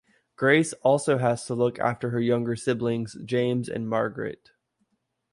Grace also has to look after her younger siblings James and Margaret.